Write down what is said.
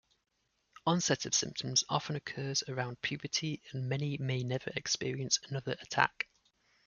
Onset of symptoms often occurs around puberty and many may never experience another attack.